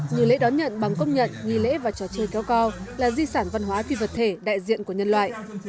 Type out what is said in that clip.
như lễ đón nhận bằng công nhận nghi lễ và trò chơi kéo co là di sản văn hóa phi vật thể đại diện của nhân loại